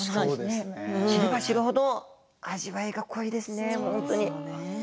知れば知るほど味わいが濃いですね。